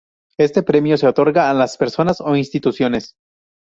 Este premio se otorga a las personas o instituciones